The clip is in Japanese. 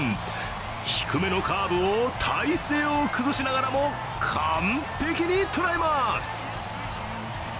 低めのカーブを体勢を崩しながらも完璧に捉えます。